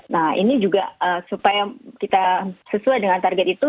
nah ini juga supaya kita sesuai dengan target itu